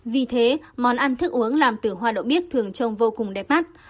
vì thế món ăn thức uống làm từ hoa đậu bí thường trông vô cùng đẹp mắt